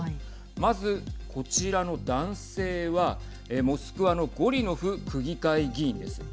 まず、こちらの男性はモスクワのゴリノフ区議会議員です。